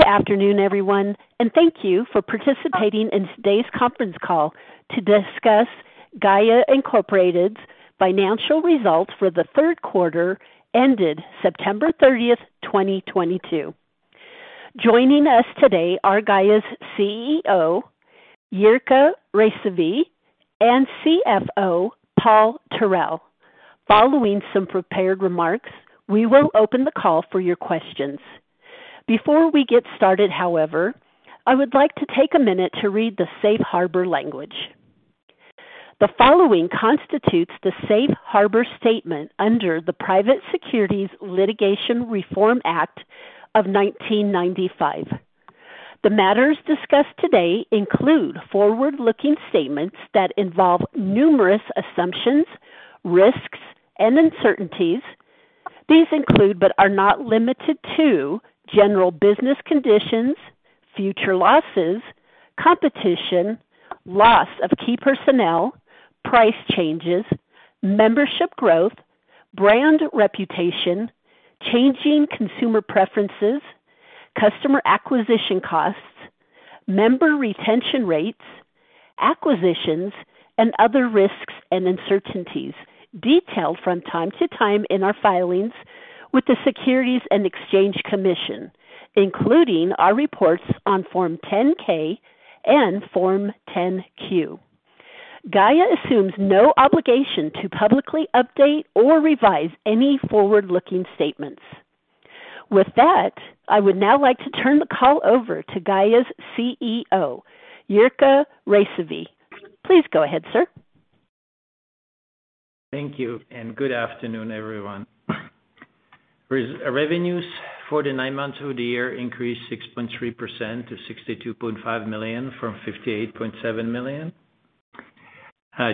Good afternoon, everyone, and thank you for participating in today's conference call to discuss Gaia Incorporated's financial results for the third quarter ended September 30, 2022. Joining us today are Gaia's CEO, Jirka Rysavy and CFO, Paul Tarell. Following some prepared remarks, we will open the call for your questions. Before we get started, however, I would like to take a minute to read the safe harbor language. The following constitutes the safe harbor statement under the Private Securities Litigation Reform Act of 1995. The matters discussed today include forward-looking statements that involve numerous assumptions, risks, and uncertainties. These include, but are not limited to, general business conditions, future losses, competition, loss of key personnel, price changes, membership growth, brand reputation, changing consumer preferences, customer acquisition costs, member retention rates, acquisitions, and other risks and uncertainties detailed from time to time in our filings with the Securities and Exchange Commission, including our reports on Form 10-K and Form 10-Q. Gaia assumes no obligation to publicly update or revise any forward-looking statements. With that, I would now like to turn the call over to Gaia's CEO, Jirka Rysavy. Please go ahead, sir. Thank you and good afternoon, everyone. Revenues for the nine months of the year increased 6.3% to $62.5 million from $58.7 million.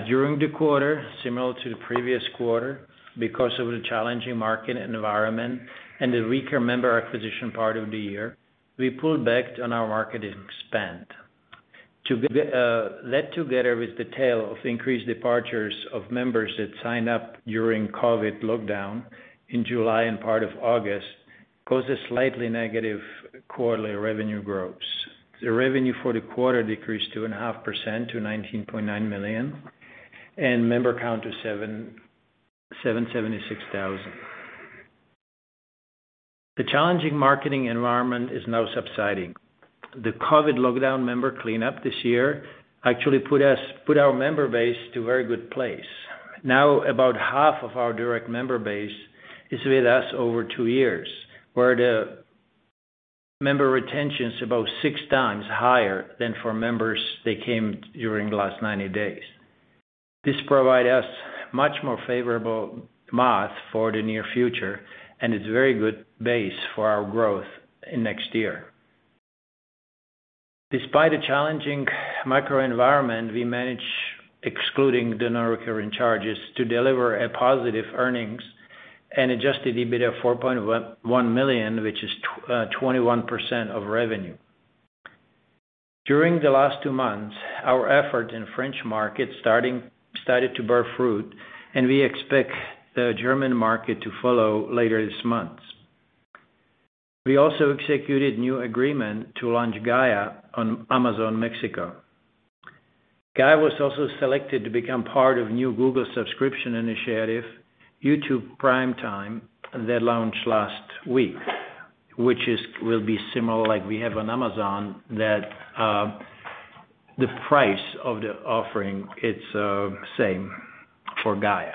During the quarter, similar to the previous quarter, because of the challenging market environment and the weaker member acquisition part of the year, we pulled back on our marketing spend. That together with the tail of increased departures of members that signed up during COVID lockdown in July and part of August, caused a slightly negative quarterly revenue growth. The revenue for the quarter decreased 2.5% to $19.9 million, and member count to 776,000. The challenging marketing environment is now subsiding. The COVID lockdown member cleanup this year actually put our member base to a very good place. Now, about half of our direct member base is with us over two years, where the member retention is about six times higher than for members that came during the last 90 days. This provide us much more favorable math for the near future, and it's a very good base for our growth in next year. Despite a challenging macro environment, we managed, excluding the non-recurring charges, to deliver a positive earnings and adjusted EBITDA of $4.11 million, which is 21% of revenue. During the last two months, our effort in French market started to bear fruit, and we expect the German market to follow later this month. We also executed new agreement to launch Gaia on Amazon Mexico. Gaia was also selected to become part of new Google subscription initiative, YouTube Primetime, that launched last week, which will be similar like we have on Amazon that the price of the offering it's same for Gaia.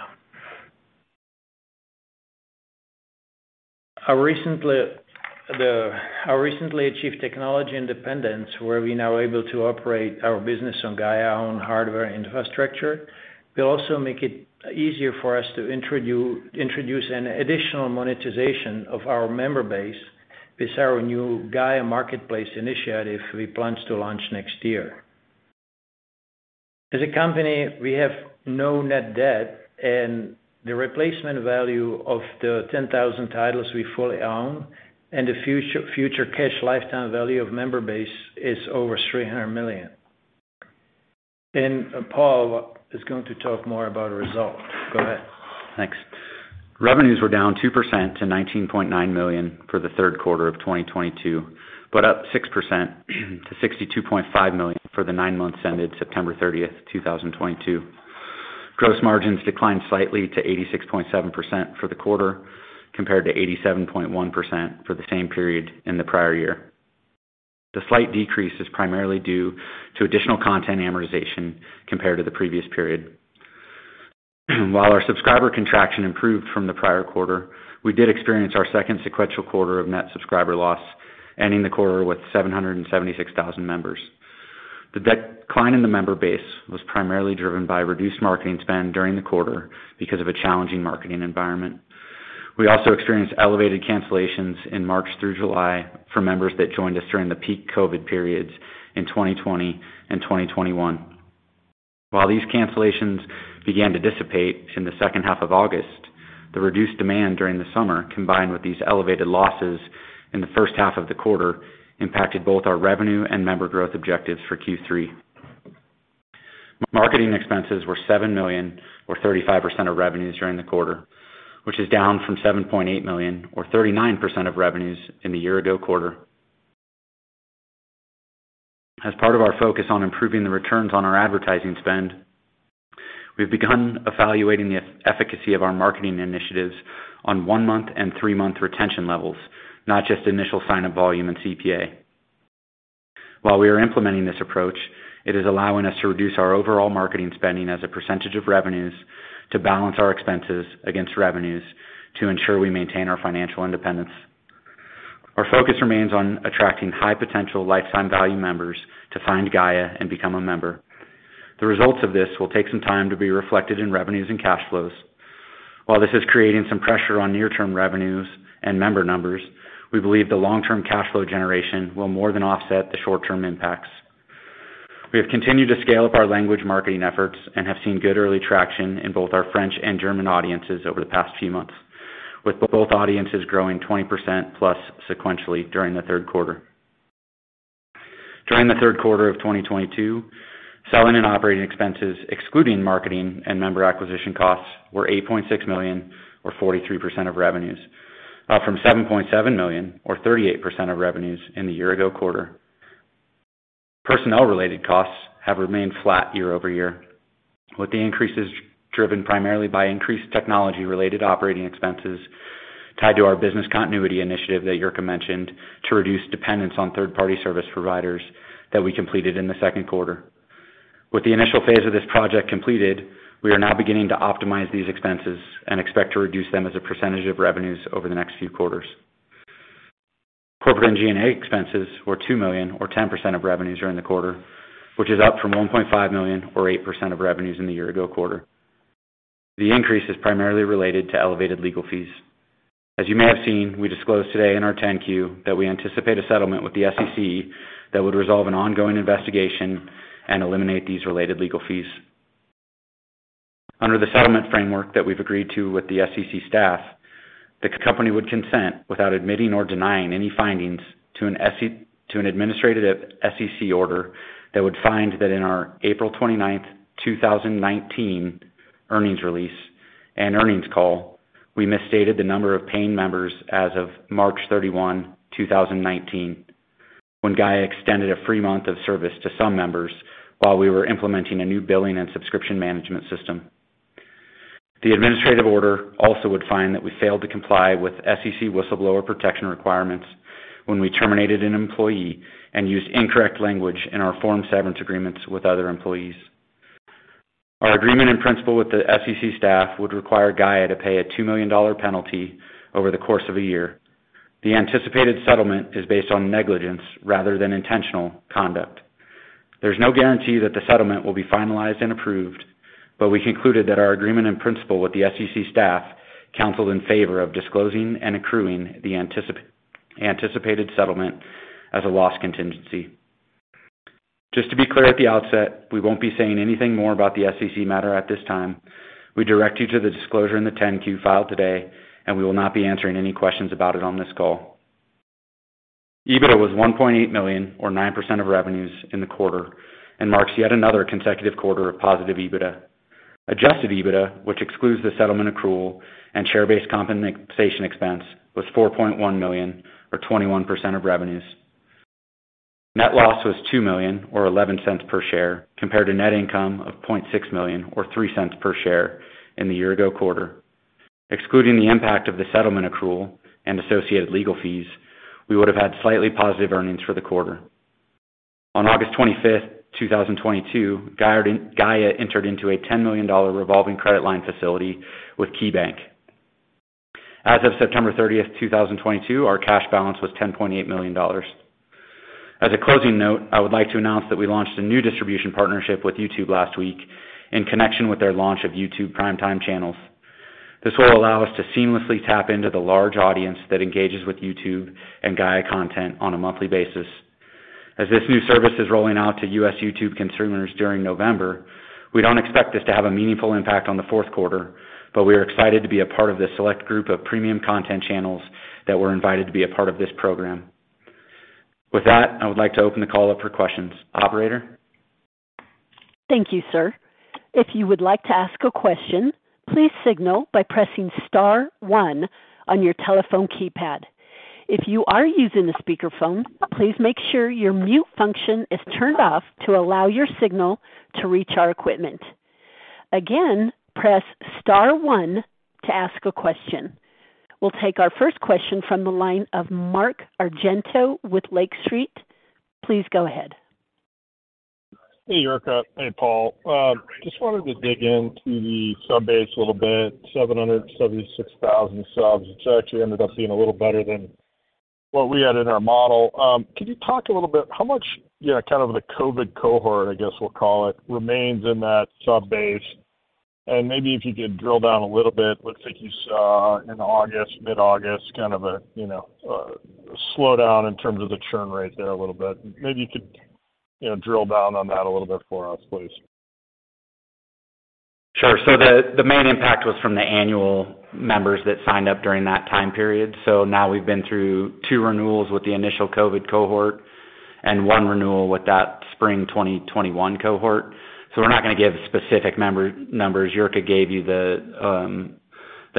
Our recently achieved technology independence, where we now are able to operate our business on Gaia own hardware infrastructure, will also make it easier for us to introduce an additional monetization of our member base with our new Gaia Marketplace initiative we plan to launch next year. As a company, we have no net debt and the replacement value of the 10,000 titles we fully own and the future cash lifetime value of member base is over $300 million. Paul is going to talk more about the result. Go ahead. Thanks. Revenues were down 2% to $19.9 million for the third quarter of 2022, but up 6% to $62.5 million for the nine months ended September 30, 2022. Gross margins declined slightly to 86.7% for the quarter, compared to 87.1% for the same period in the prior year. The slight decrease is primarily due to additional content amortization compared to the previous period. While our subscriber contraction improved from the prior quarter, we did experience our second sequential quarter of net subscriber loss, ending the quarter with 776,000 members. The decline in the member base was primarily driven by reduced marketing spend during the quarter because of a challenging marketing environment. We also experienced elevated cancellations in March through July for members that joined us during the peak COVID periods in 2020 and 2021. While these cancellations began to dissipate in the second half of August, the reduced demand during the summer, combined with these elevated losses in the first half of the quarter, impacted both our revenue and member growth objectives for Q3. Marketing expenses were $7 million or 35% of revenues during the quarter, which is down from $7.8 million or 39% of revenues in the year ago quarter. As part of our focus on improving the returns on our advertising spend, we've begun evaluating the efficacy of our marketing initiatives on 1-month and 3-month retention levels, not just initial sign-up volume and CPA. While we are implementing this approach, it is allowing us to reduce our overall marketing spending as a percentage of revenues to balance our expenses against revenues to ensure we maintain our financial independence. Our focus remains on attracting high-potential lifetime value members to find Gaia and become a member. The results of this will take some time to be reflected in revenues and cash flows. While this is creating some pressure on near-term revenues and member numbers, we believe the long-term cash flow generation will more than offset the short-term impacts. We have continued to scale up our language marketing efforts and have seen good early traction in both our French and German audiences over the past few months, with both audiences growing 20% plus sequentially during the third quarter. During the third quarter of 2022, selling and operating expenses, excluding marketing and member acquisition costs, were $8.6 million or 43% of revenues, up from $7.7 million or 38% of revenues in the year ago quarter. Personnel-related costs have remained flat year-over-year, with the increases driven primarily by increased technology-related operating expenses tied to our business continuity initiative that Jirka mentioned to reduce dependence on third-party service providers that we completed in the second quarter. With the initial phase of this project completed, we are now beginning to optimize these expenses and expect to reduce them as a percentage of revenues over the next few quarters. Corporate and G&A expenses were $2 million or 10% of revenues during the quarter, which is up from $1.5 million or 8% of revenues in the year ago quarter. The increase is primarily related to elevated legal fees. As you may have seen, we disclosed today in our 10-Q that we anticipate a settlement with the SEC that would resolve an ongoing investigation and eliminate these related legal fees. Under the settlement framework that we've agreed to with the SEC staff, the company would consent without admitting or denying any findings to an administrative SEC order that would find that in our April 29, 2019 earnings release and earnings call, we misstated the number of paying members as of March 31, 2019 when Gaia extended a free month of service to some members while we were implementing a new billing and subscription management system. The administrative order also would find that we failed to comply with SEC whistleblower protection requirements when we terminated an employee and used incorrect language in our form severance agreements with other employees. Our agreement in principle with the SEC staff would require Gaia to pay a $2 million penalty over the course of a year. The anticipated settlement is based on negligence rather than intentional conduct. There's no guarantee that the settlement will be finalized and approved, but we concluded that our agreement in principle with the SEC staff counseled in favor of disclosing and accruing the anticipated settlement as a loss contingency. Just to be clear at the outset, we won't be saying anything more about the SEC matter at this time. We direct you to the disclosure in the 10-Q filed today, and we will not be answering any questions about it on this call. EBITDA was $1.8 million or 9% of revenues in the quarter and marks yet another consecutive quarter of positive EBITDA. Adjusted EBITDA, which excludes the settlement accrual and share-based compensation expense, was $4.1 million or 21% of revenues. Net loss was $2 million or $0.11 per share, compared to net income of $0.6 million or $0.03 per share in the year-ago quarter. Excluding the impact of the settlement accrual and associated legal fees, we would have had slightly positive earnings for the quarter. On August 25, 2022, Gaia entered into a $10 million revolving credit line facility with KeyBank. As of September 30, 2022, our cash balance was $10.8 million. As a closing note, I would like to announce that we launched a new distribution partnership with YouTube last week in connection with their launch of YouTube Primetime Channels. This will allow us to seamlessly tap into the large audience that engages with YouTube and Gaia content on a monthly basis. As this new service is rolling out to U.S. YouTube consumers during November, we don't expect this to have a meaningful impact on the fourth quarter, but we are excited to be a part of this select group of premium content channels that were invited to be a part of this program. With that, I would like to open the call up for questions. Operator? Thank you, sir. If you would like to ask a question, please signal by pressing star one on your telephone keypad. If you are using a speakerphone, please make sure your mute function is turned off to allow your signal to reach our equipment. Again, press star one to ask a question. We'll take our first question from the line of Mark Argento with Lake Street. Please go ahead. Hey, Jirka. Hey, Paul. Just wanted to dig into the sub base a little bit, 776,000 subs, which actually ended up being a little better than what we had in our model. Could you talk a little bit how much, you know, kind of the COVID cohort, I guess we'll call it, remains in that sub base? And maybe if you could drill down a little bit, it looks like you saw in August, mid-August, kind of a, you know, a slowdown in terms of the churn rate there a little bit. Maybe you could, you know, drill down on that a little bit for us, please. Sure. The main impact was from the annual members that signed up during that time period. Now we've been through two renewals with the initial COVID cohort and one renewal with that spring 2021 cohort. We're not gonna give specific member numbers. Jirka gave you the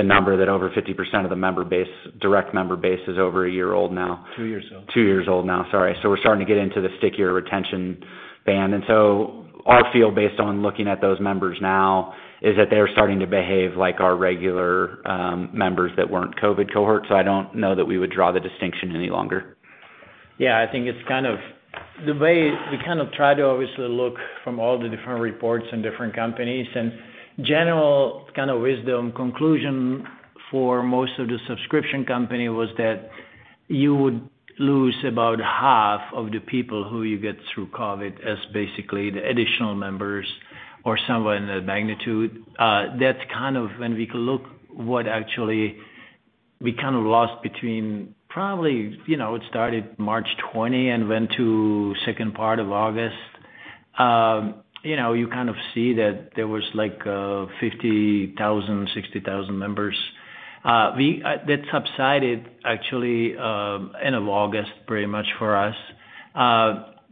number that over 50% of the member base, direct member base, is over a year old now. Two years old. Two years old now. Sorry. We're starting to get into the stickier retention band. Our feel based on looking at those members now is that they are starting to behave like our regular members that weren't COVID cohorts. I don't know that we would draw the distinction any longer. Yeah. I think it's kind of the way we kind of try to obviously look from all the different reports and different companies and general kind of wisdom conclusion for most of the subscription company was that you would lose about half of the people who you get through COVID as basically the additional members or somewhere in that magnitude. That's kind of when we look what actually we kind of lost between probably, you know, it started March 20 and went to second part of August. You know, you kind of see that there was like, 50,000, 60,000 members. That subsided, actually, end of August, pretty much for us.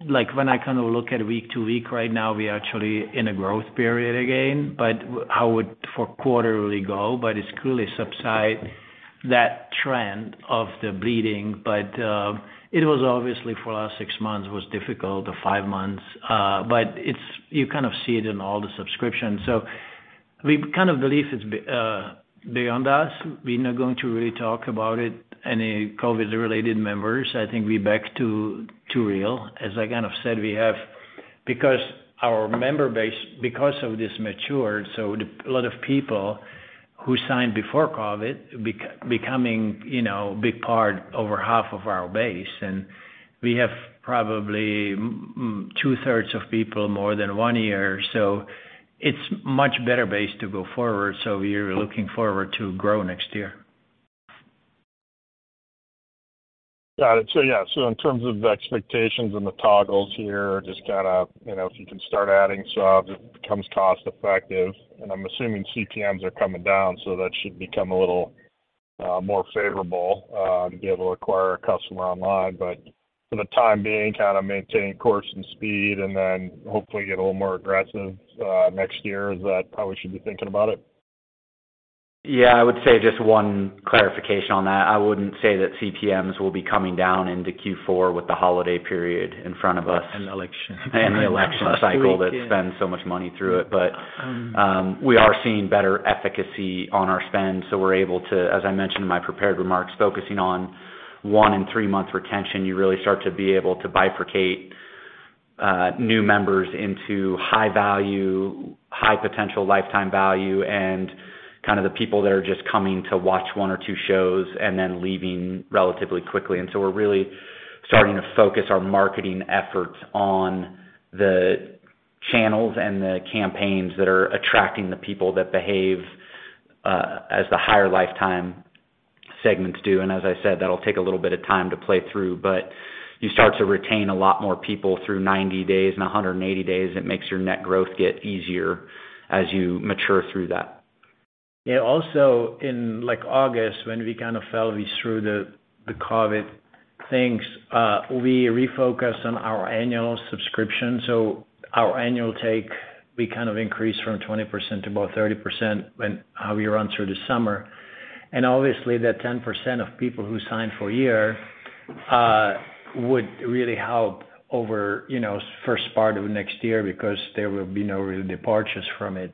Like, when I kind of look at week to week right now, we are actually in a growth period again, but however quarterly goes, but it's clearly subsiding that trend of the bleeding. It was obviously the last six months was difficult, or five months. You kind of see it in all the subscriptions. We kind of believe it's beyond us. We're not going to really talk about it, any COVID-related members. I think we're back to real. As I kind of said, we have because our member base, because of this matured, a lot of people who signed before COVID becoming, you know, big part, over half of our base, and we have probably two-thirds of people more than one year. It's much better basis to go forward. We are looking forward to grow next year. Got it. Yeah, so in terms of expectations and the toggles here, just kinda, you know, if you can start adding subs, it becomes cost-effective. I'm assuming CPMs are coming down, so that should become a little more favorable to be able to acquire a customer online. For the time being, kinda maintain course and speed, and then hopefully get a little more aggressive next year. Is that how we should be thinking about it? Yeah, I would say just one clarification on that. I wouldn't say that CPMs will be coming down into Q4 with the holiday period in front of us. Election. The election cycle that spends so much money through it. We are seeing better efficacy on our spend, so we're able to, as I mentioned in my prepared remarks, focusing on one- and three-month retention. You really start to be able to bifurcate new members into high value, high potential lifetime value, and kind of the people that are just coming to watch one or two shows and then leaving relatively quickly. We're really starting to focus our marketing efforts on the channels and the campaigns that are attracting the people that behave as the higher lifetime segments do. As I said, that'll take a little bit of time to play through. You start to retain a lot more people through 90 days and 180 days. It makes your net growth get easier as you mature through that. Yeah. Also, in August, when we kind of felt we were through the COVID things, we refocused on our annual subscription. Our annual take, we kind of increased from 20% to about 30% when we run through the summer. Obviously, that 10% of people who signed for a year would really help over, you know, first part of next year, because there will be no real departures from it.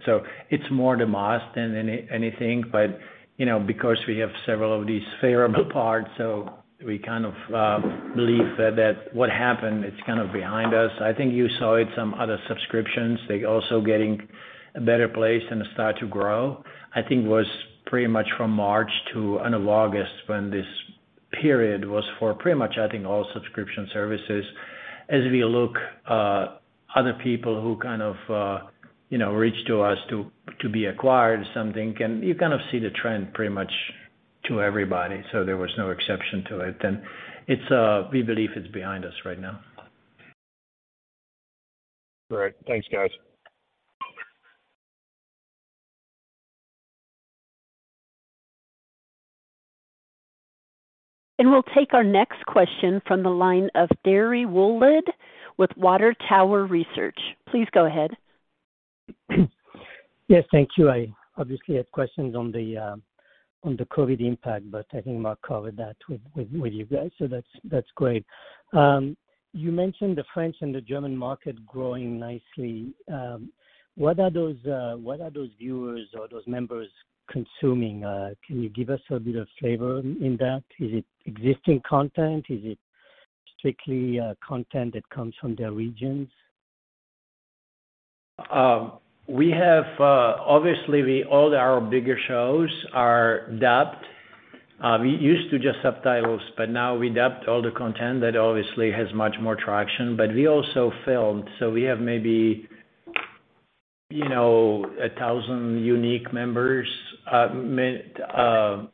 It's more the math than anything. You know, because we have several of these favorable parts, we kind of believe that what happened it's kind of behind us. I think you saw it, some other subscriptions, they also getting a better place and start to grow. I think it was pretty much from March to the end of August for pretty much, I think, all subscription services. As we look at other people who reached out to us to acquire something, and you kind of see the trend pretty much to everybody, so there was no exception to it. We believe it's behind us right now. Great. Thanks, guys. We'll take our next question from the line of Thierry Wuilloud with Water Tower Research. Please go ahead. Yes, thank you. I obviously had questions on the COVID impact, but I think Mark covered that with you guys, so that's great. You mentioned the French and the German market growing nicely. What are those viewers or those members consuming? Can you give us a bit of flavor in that? Is it existing content? Is it strictly content that comes from their regions? All our bigger shows are dubbed. We used to just subtitles, but now we dubbed all the content that obviously has much more traction, but we also filmed. We have maybe 1,000 unique titles,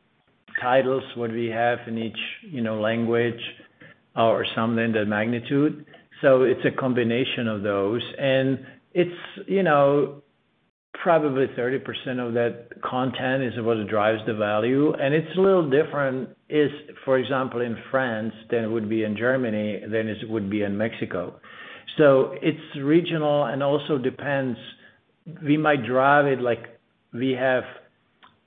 what we have in each language or something in that magnitude. It's a combination of those. It's probably 30% of that content is what drives the value. It's a little different, for example, in France than it would be in Germany than it would be in Mexico. It's regional and also depends. We might drive it like we have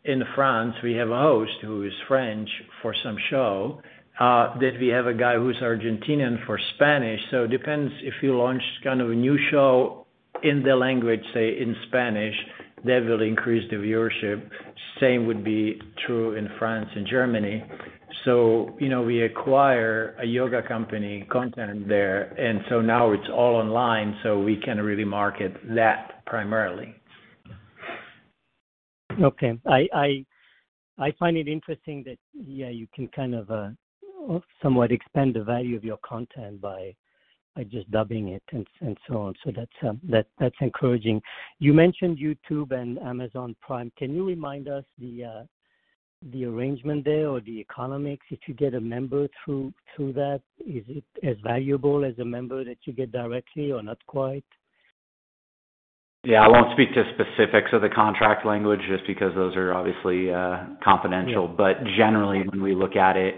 in France. We have a host who is French for some show, that we have a guy who's Argentinian for Spanish. It depends. If you launch kind of a new show in the language, say in Spanish, that will increase the viewership. Same would be true in France and Germany. You know, we acquired Yoga International content there, and so now it's all online, so we can really market that primarily. Okay. I find it interesting that, yeah, you can kind of somewhat expand the value of your content by just dubbing it and so on. That's encouraging. You mentioned YouTube and Amazon Prime. Can you remind us the arrangement there or the economics? If you get a member through that, is it as valuable as a member that you get directly, or not quite? Yeah. I won't speak to specifics of the contract language just because those are obviously confidential. Generally, when we look at it,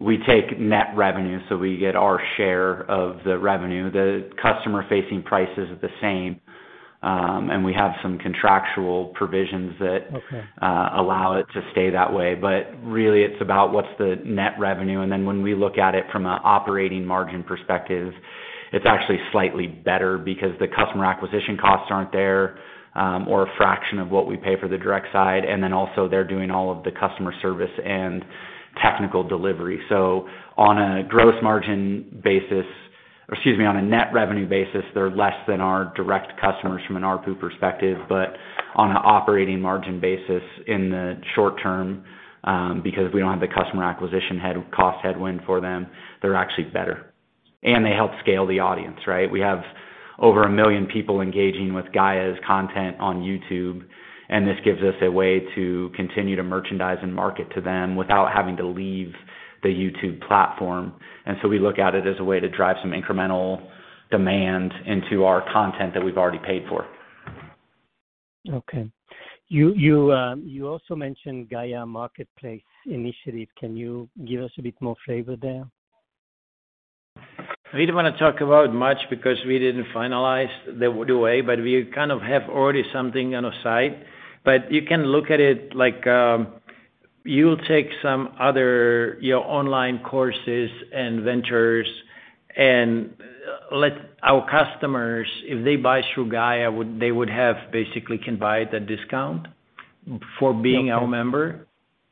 we take net revenue, so we get our share of the revenue. The customer-facing price is the same, and we have some contractual provisions that allow it to stay that way. Really it's about what's the net revenue. Then when we look at it from an operating margin perspective, it's actually slightly better because the customer acquisition costs aren't there, or a fraction of what we pay for the direct side. Then also they're doing all of the customer service and technical delivery. On a gross margin basis, excuse me, on a net revenue basis, they're less than our direct customers from an ARPU perspective. On an operating margin basis in the short term, because we don't have the customer acquisition cost headwind for them, they're actually better. They help scale the audience, right? We have over one million people engaging with Gaia's content on YouTube, and this gives us a way to continue to merchandise and market to them without having to leave the YouTube platform. We look at it as a way to drive some incremental demand into our content that we've already paid for. Okay. You also mentioned Gaia Marketplace initiative. Can you give us a bit more flavor there? We don't wanna talk about much because we didn't finalize the way, but we kind of have already something on our site. You can look at it like, you'll take some other, you know, online courses and ventures, and let our customers, if they buy through Gaia, they would have basically can buy it at a discount for being our member.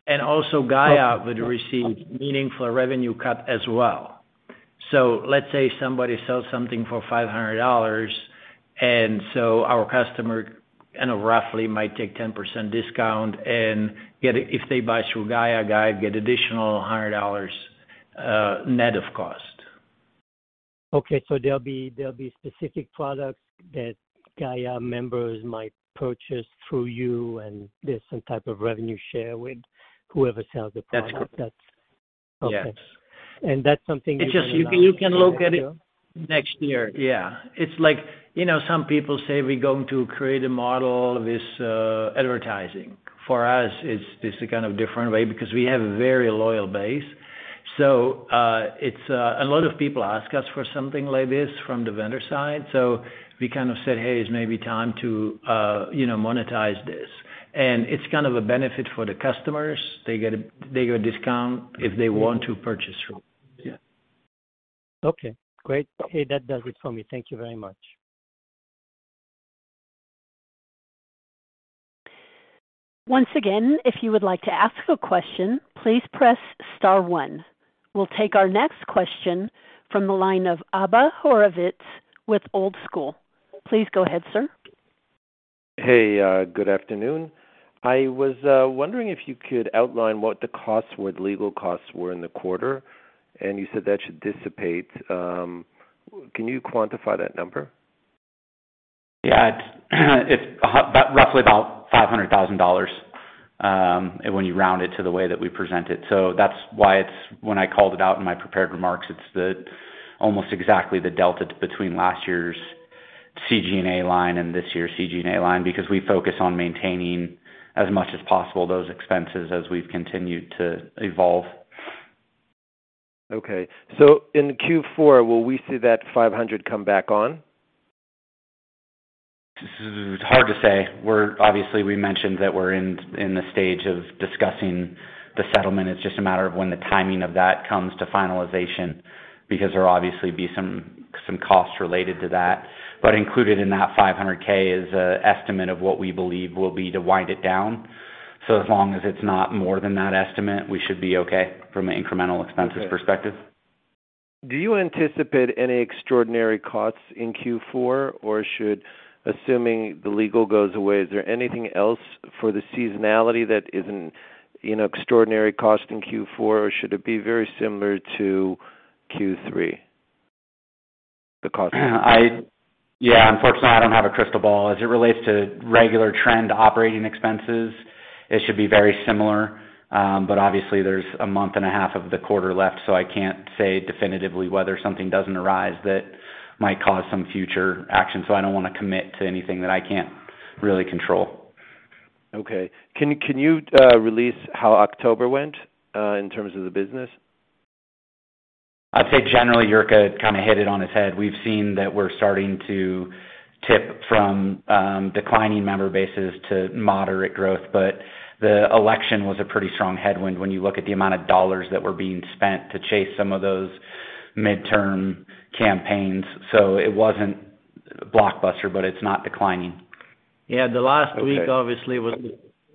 Also, Gaia would receive meaningful revenue cut as well. Let's say somebody sells something for $500, and so our customer kind of roughly might take 10% discount and get if they buy through Gaia get additional $100, net of cost. Okay. There'll be specific products that Gaia members might purchase through you, and there's some type of revenue share with whoever sells the product. That's right. Yes. That's something you can announce later on? It's just you. You can look at it next year. Yeah. It's like, you know, some people say we're going to create a model with advertising. For us, it's just a kind of different way because we have a very loyal base. So it's a lot of people ask us for something like this from the vendor side. So we kind of said, "Hey, it's maybe time to, you know, monetize this." And it's kind of a benefit for the customers. They get a discount if they want to purchase from them. Yeah. Okay, great. Hey, that does it for me. Thank you very much. Once again, if you would like to ask a question, please press star one. We'll take our next question from the line of Abba Horovitz with Old School. Please go ahead, sir. Hey, good afternoon. I was wondering if you could outline what the costs were, the legal costs were in the quarter, and you said that should dissipate. Can you quantify that number? Yeah. It's roughly about $500,000 when you round it to the way that we present it. That's why it's almost exactly the delta between last year's G&A line and this year's G&A line because we focus on maintaining as much as possible those expenses as we've continued to evolve. In Q4, will we see that 500 come back on? It's hard to say. Obviously, we mentioned that we're in the stage of discussing the settlement. It's just a matter of when the timing of that comes to finalization because there'll obviously be some costs related to that. Included in that $500,000 is an estimate of what we believe will be to wind it down. As long as it's not more than that estimate, we should be okay from an incremental expenses perspective. Okay. Do you anticipate any extraordinary costs in Q4? Assuming the legal goes away, is there anything else for the seasonality that is an, you know, extraordinary cost in Q4 or should it be very similar to Q3? Yeah, unfortunately, I don't have a crystal ball. As it relates to regular trend operating expenses, it should be very similar. But obviously there's a month and a half of the quarter left, so I can't say definitively whether something doesn't arise that might cause some future action. I don't wanna commit to anything that I can't really control. Okay. Can you release how October went in terms of the business? I'd say generally Jirka kinda hit it on his head. We've seen that we're starting to tip from declining member bases to moderate growth. The election was a pretty strong headwind when you look at the amount of dollars that were being spent to chase some of those midterm campaigns. It wasn't blockbuster, but it's not declining.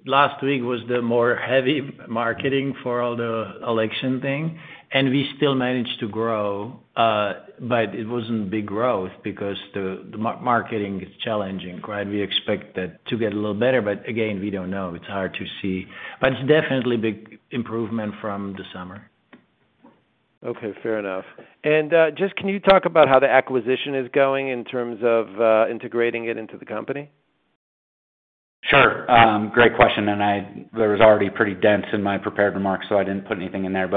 Last week was the more heavy marketing for all the election thing, and we still managed to grow. It wasn't big growth because the marketing is challenging, right? We expect that to get a little better, but again, we don't know. It's hard to see. It's definitely big improvement from the summer. Okay, fair enough. Just can you talk about how the acquisition is going in terms of integrating it into the company? Sure. Great question, that was already pretty dense in my prepared remarks, so I didn't put anything in there.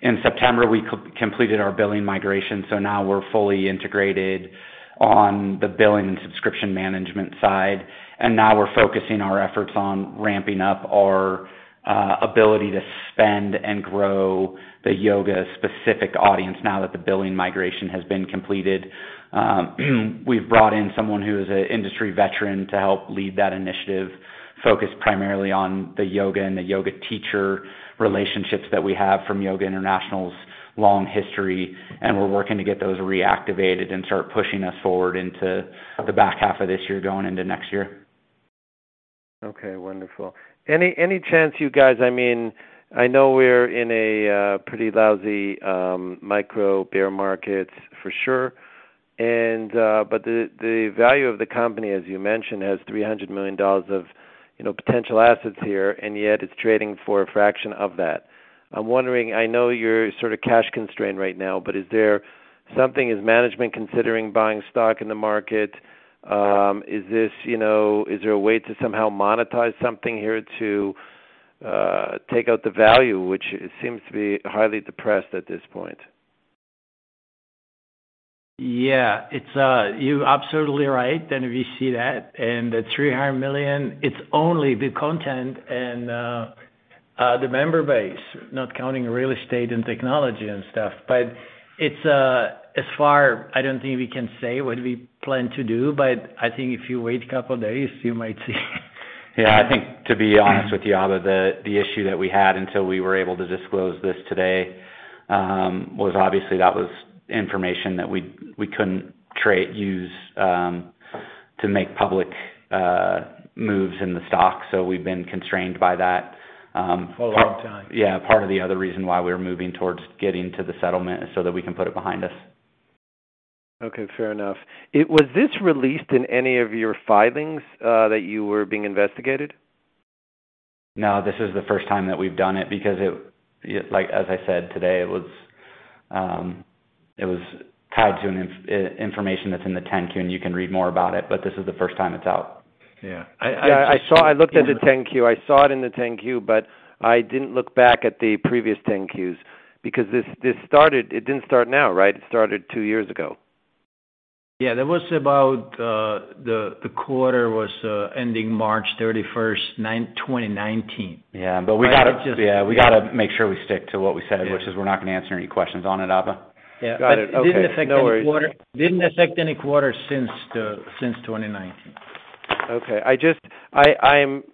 In September, we completed our billing migration, so now we're fully integrated on the billing and subscription management side. Now we're focusing our efforts on ramping up our ability to spend and grow the yoga-specific audience now that the billing migration has been completed. We've brought in someone who is an industry veteran to help lead that initiative, focused primarily on the yoga and the yoga teacher relationships that we have from Yoga International's long history, and we're working to get those reactivated and start pushing us forward into the back half of this year going into next year. Okay, wonderful. Any chance you guys? I mean, I know we're in a pretty lousy micro bear market for sure and but the value of the company, as you mentioned, has $300 million of, you know, potential assets here, and yet it's trading for a fraction of that. I'm wondering, I know you're sort of cash constrained right now, but is there something, is management considering buying stock in the market? You know, is there a way to somehow monetize something here to take out the value, which it seems to be highly depressed at this point? Yeah. It's, you're absolutely right, and we see that. The $300 million, it's only the content and the member base, not counting real estate and technology and stuff. It's as far, I don't think we can say what we plan to do, but I think if you wait a couple days, you might see. Yeah. I think to be honest with you, Abba, the issue that we had until we were able to disclose this today was obviously that was information that we couldn't trade, use to make public moves in the stock, so we've been constrained by that. For a long time. Yeah. Part of the other reason why we're moving towards getting to the settlement is so that we can put it behind us. Okay, fair enough. Was this released in any of your filings that you were being investigated? No, this is the first time that we've done it because it, like as I said today, it was tied to an information that's in the 10-Q, and you can read more about it, but this is the first time it's out. Yeah. I saw. I looked at the 10-Q. I saw it in the 10-Q, but I didn't look back at the previous 10-Qs because this started. It didn't start now, right? It started two years ago. Yeah. That was about the quarter ending March 31, 2019. Yeah. We gotta make sure we stick to what we said. We're not gonna answer any questions on it, Abba. Got it. Okay. It didn't affect any quarter. No worries. Didn't affect any quarter since 2019. Okay.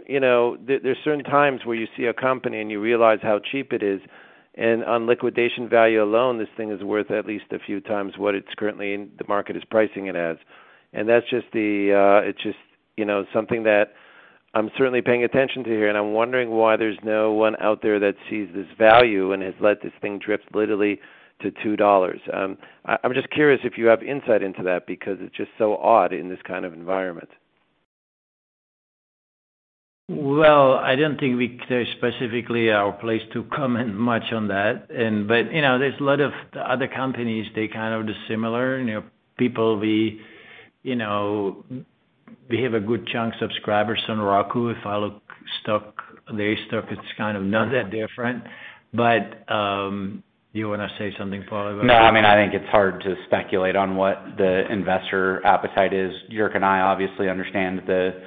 You know, there's certain times where you see a company and you realize how cheap it is, and on liquidation value alone, this thing is worth at least a few times what the market is currently pricing it as. That's just, you know, something that I'm certainly paying attention to here, and I'm wondering why there's no one out there that sees this value and has let this thing drift literally to $2. I'm just curious if you have insight into that because it's just so odd in this kind of environment. Well, I don't think it's specifically our place to comment much on that. You know, there's a lot of other companies. They kind of dissimilar. You know, we have a good chunk subscribers on Roku. If I look stock, their stock, it's kind of not that different. You wanna say something, Paul, about it? No. I mean, I think it's hard to speculate on what the investor appetite is. Jirka and I obviously understand the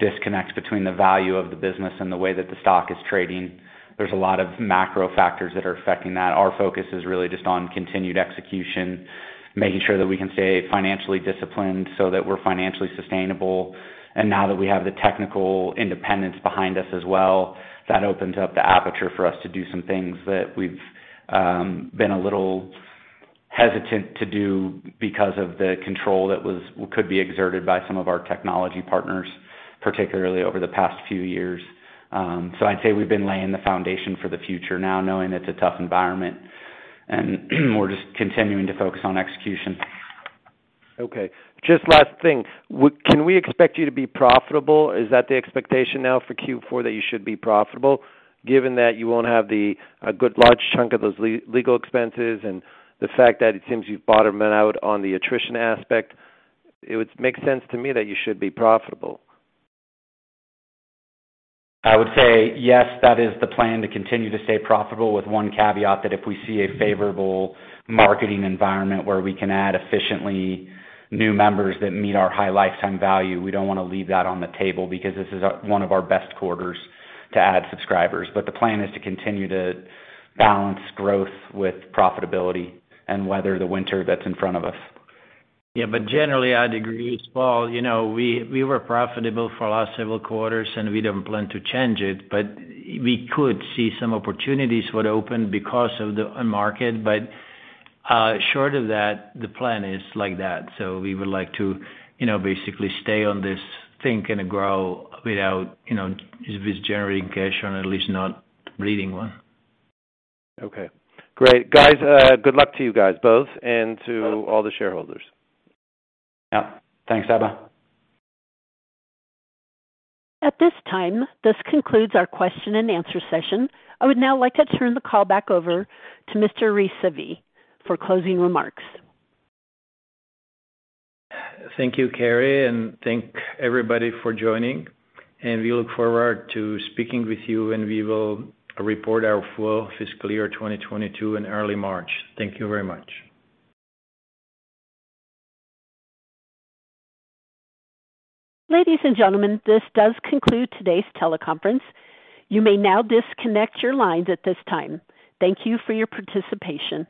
disconnect between the value of the business and the way that the stock is trading. There's a lot of macro factors that are affecting that. Our focus is really just on continued execution, making sure that we can stay financially disciplined so that we're financially sustainable. Now that we have the technical independence behind us as well, that opens up the aperture for us to do some things that we've been a little hesitant to do because of the control that could be exerted by some of our technology partners, particularly over the past few years. I'd say we've been laying the foundation for the future now, knowing it's a tough environment, and we're just continuing to focus on execution. Okay. Just last thing. Can we expect you to be profitable? Is that the expectation now for Q4 that you should be profitable, given that you won't have a good large chunk of those legal expenses and the fact that it seems you've bottomed out on the attrition aspect? It would make sense to me that you should be profitable. I would say yes, that is the plan, to continue to stay profitable with one caveat that if we see a favorable marketing environment where we can add efficiently new members that meet our high lifetime value, we don't wanna leave that on the table because this is one of our best quarters to add subscribers. The plan is to continue to balance growth with profitability and weather the winter that's in front of us. Yeah. Generally, I'd agree with Paul. You know, we were profitable for last several quarters, and we don't plan to change it, but we could see some opportunities would open because of the market. Short of that, the plan is like that. We would like to, you know, basically stay on this thing and grow without, you know, if it's generating cash or at least not bleeding one. Okay. Great. Guys, good luck to you guys, both, and to all the shareholders. Yeah. Thanks, Abba. At this time, this concludes our question-and-answer session. I would now like to turn the call back over to Mr. Rysavy for closing remarks. Thank you, Carrie, and thank everybody for joining. We look forward to speaking with you when we will report our full fiscal year 2022 in early March. Thank you very much. Ladies and gentlemen, this does conclude today's teleconference. You may now disconnect your lines at this time. Thank you for your participation.